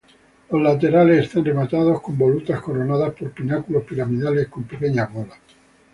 Los laterales están rematados con volutas coronadas por pináculos piramidales con pequeñas bolas.